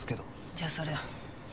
じゃあそれ。